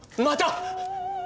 また！